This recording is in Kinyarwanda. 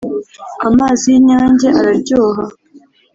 amazi yi inyange araryoha